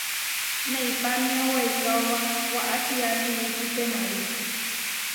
Neipámio weikaóba waʼá čiá piipi temári.